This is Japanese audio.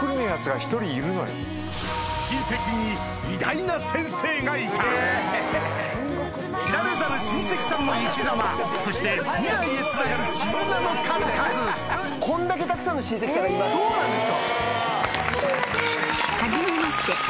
親戚に知られざる親戚さんの生きざまそして未来へつながる絆の数々こんだけたくさんの親戚さんがいます。